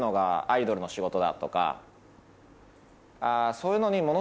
そういうのに。